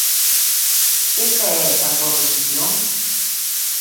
¿Esa é a súa posición?